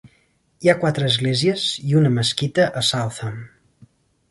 Hi ha quatre esglésies i una mesquita a Southam